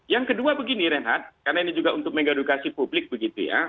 yang kedua begini renhad karena ini juga untuk mega edukasi publik begitu ya